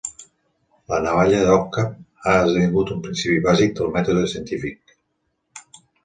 La navalla d'Occam ha esdevingut un principi bàsic del mètode científic.